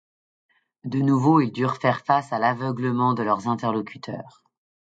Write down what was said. De nouveau, ils durent faire face à l'aveuglement de leurs interlocuteurs.